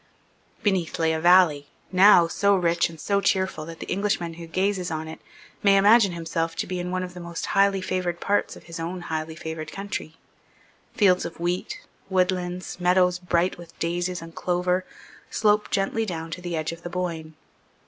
Beneath lay a valley, now so rich and so cheerful that the Englishman who gazes on it may imagine himself to be in one of the most highly favoured parts of his own highly favoured country. Fields of wheat, woodlands, meadows bright with daisies and clover, slope gently down to the edge of the Boyne.